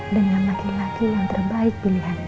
dengan laki laki yang terbaik pilihannya